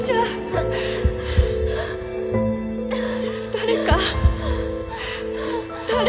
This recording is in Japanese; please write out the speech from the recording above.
誰か誰か！